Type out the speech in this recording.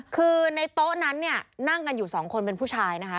คือในโต๊ะนั้นเนี่ยนั่งกันอยู่สองคนเป็นผู้ชายนะคะ